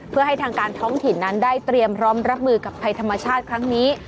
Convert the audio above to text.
เพื่อให้ทางการท้องถิ่นนั้นได้เตรียมพร้อมรับมือกับภัยธรรมชาติครั้งนี้